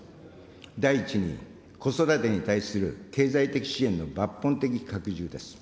第１に、子育てに対する経済的支援の抜本的拡充です。